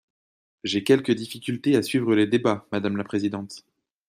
J’ai quelque difficulté à suivre les débats, madame la présidente.